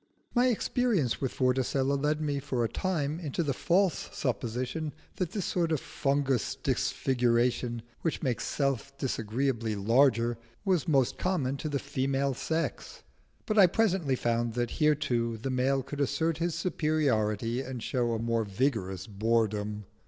My experience with Vorticella led me for a time into the false supposition that this sort of fungous disfiguration, which makes Self disagreeably larger, was most common to the female sex; but I presently found that here too the male could assert his superiority and show a more vigorous boredom.